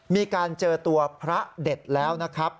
มีการเจอตัวพระเด็ดแล้วนะครับ